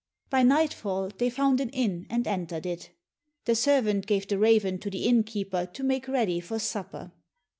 By nightfall they found an inn and entered it. The servant gave the raven to the innkeeper to make ready for supper.